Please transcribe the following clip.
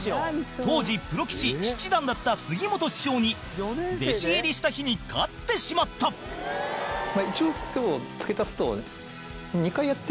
当時、プロ棋士七段だった杉本師匠に弟子入りした日に勝ってしまった一応、付け足すと２回やってるんですよ。